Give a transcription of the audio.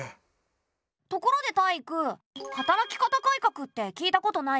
ところでタイイク「働き方改革」って聞いたことない？